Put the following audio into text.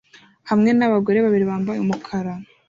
hamwe nabagore babiri bambaye umukara